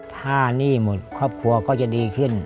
ถ้าหนี้หมดครอบครัวก็จะดีขึ้น